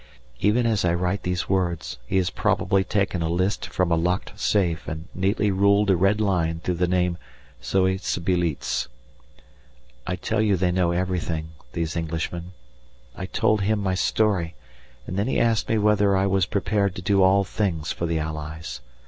Even as I write these words, he has probably taken a list from a locked safe and neatly ruled a red line through the name Zoe Sbeiliez. I tell you they know everything, these Englishmen. I told him my story, and then he asked me whether I was prepared to do all things for the Allies.